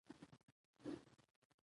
تنوع د افغانستان د جغرافیوي تنوع مثال دی.